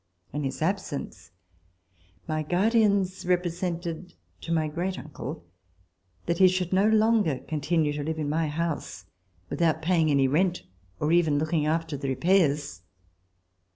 In his absence my guardians repre sented to my great uncle that he should no longer continue to live in my house without paying any rent or even looking after the repairs.